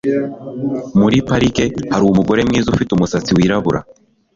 Muri parike hari umugore mwiza ufite umusatsi wirabura